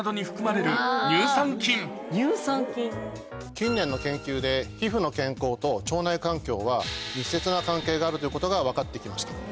近年の研究で皮膚の健康と腸内環境は密接な関係があるということが分かってきました。